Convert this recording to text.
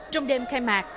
trong đêm khai mạc